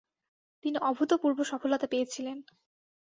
তিনি অভূতপূর্ব সফলতা পেয়েছিলেন।